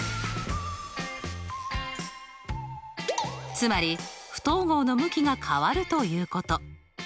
つまり不等号の向きが変わるということ。